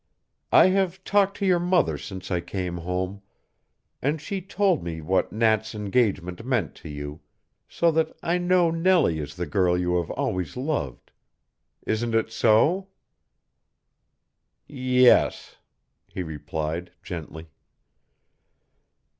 I have talked to your mother since I came home, and she told me what Nat's engagement meant to you, so that I know Nellie is the girl you have always loved. Isn't it so?" "Yes," he replied gently.